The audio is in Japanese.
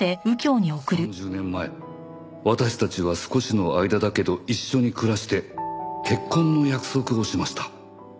「３０年前私たちは少しの間だけど一緒に暮らして結婚の約束をしました」